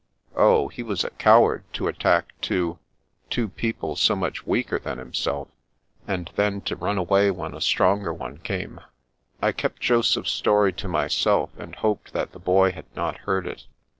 Oh, he was a coward to attack two — ^two people so much weaker than himself, and then to run away when a stronger one came !" I kept Joseph's story to myself, and hoped that the boy had not heard it.